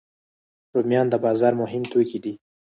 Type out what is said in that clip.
رومیان د بازار مهم توکي دي